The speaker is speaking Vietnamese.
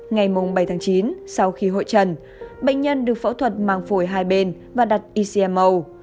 ngày bảy chín sau khi hội trần bệnh nhân được phẫu thuật mang phổi hai bên và đặt ecmo